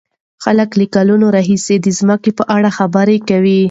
خلک له کلونو راهيسې د ځمکې په اړه خبرې کوي.